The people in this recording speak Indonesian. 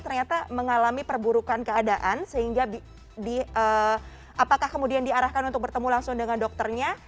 ternyata mengalami perburukan keadaan sehingga apakah kemudian diarahkan untuk bertemu langsung dengan dokternya